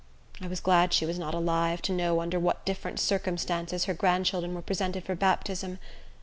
I was glad she was not alive, to know under what different circumstances her grandchildren were presented for baptism.